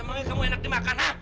emangnya kamu enak dimakan ha